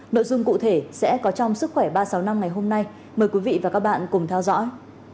nội dung cụ thể sẽ có trong sức khỏe ba trăm sáu mươi năm ngày hôm nay mời quý vị và các bạn cùng theo dõi